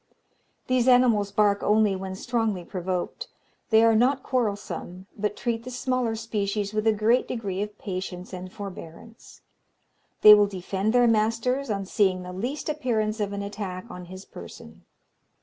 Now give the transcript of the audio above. These animals bark only when strongly provoked. They are not quarrelsome, but treat the smaller species with a great degree of patience and forbearance. They will defend their masters on seeing the least appearance of an attack on his person.